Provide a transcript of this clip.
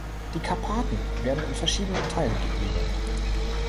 Die Karpaten werden in verschiedene Teile gegliedert.